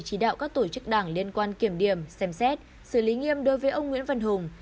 chỉ đạo các tổ chức đảng liên quan kiểm điểm xem xét xử lý nghiêm đối với ông nguyễn văn hùng